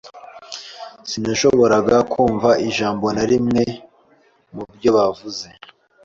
Sinashoboraga kumva ijambo na rimwe mubyo bavuze.